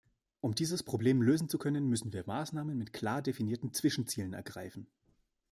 Um dieses Problem lösen zu können, müssen wir Maßnahmen mit klar definierten Zwischenzielen ergreifen.